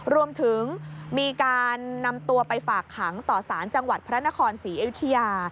รวมถึงมีการนำตัวไปฝากขังต่อสารจังหวัดพระนครศรีอยุธยา